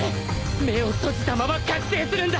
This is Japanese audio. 目を閉じたまま覚醒するんだ！